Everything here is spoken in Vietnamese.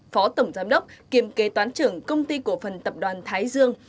phó tổng giám đốc kiêm kế toán trưởng công ty cổ phần tập đoàn thái dương